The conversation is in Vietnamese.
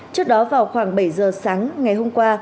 trước đó vào khoảng bảy giờ sáng ngày hôm qua